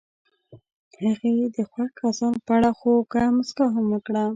هغې د خوښ خزان په اړه خوږه موسکا هم وکړه.